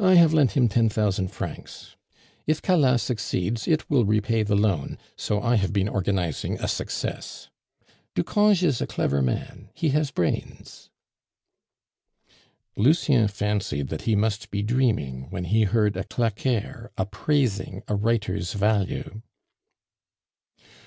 "I have lent him ten thousand francs; if Calas succeeds, it will repay the loan, so I have been organizing a success. Ducange is a clever man; he has brains " Lucien fancied that he must be dreaming when he heard a claqueur appraising a writer's value.